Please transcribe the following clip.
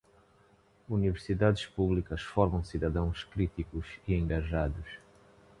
Universidades públicas formam cidadãos críticos e engajados.